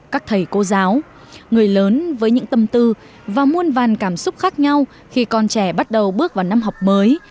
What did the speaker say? các thầy cô giáo người lớn với những tâm tư và muôn vàn cảm xúc khác nhau khi con trẻ bắt đầu bước vào năm học mới